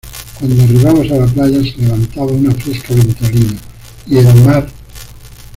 cuando arribamos a la playa, se levantaba una fresca ventolina , y el mar